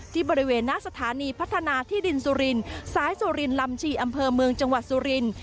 ที่บริเวณหน้าสถานีพัฒนาที่ดินสุรินสายสุรินลำชีอำเภอเมืองจังหวัดสุรินทร์